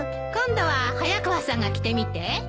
今度は早川さんが着てみて。